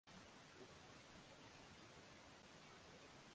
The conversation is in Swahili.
wana asili ya Wakikuyu au Abhaghekoyo